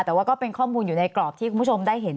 แต่ว่าก็เป็นข้อมูลอยู่ในกรอบที่คุณผู้ชมได้เห็น